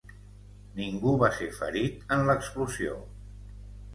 Ningú va ser ferit en l'explosió.